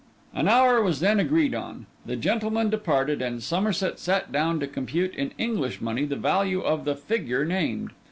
An hour was then agreed on; the gentleman departed; and Somerset sat down to compute in English money the value of the figure named.